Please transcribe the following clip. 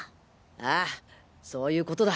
ああそういうことだ。